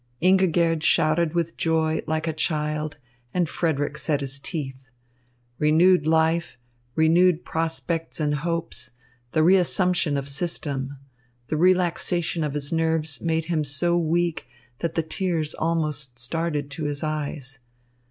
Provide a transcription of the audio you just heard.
Ingigerd shouted with joy, like a child, and Frederick set his teeth. Renewed life, renewed prospects and hopes, the reassumption of system, the relaxation of his nerves made him so weak that the tears almost started to his eyes.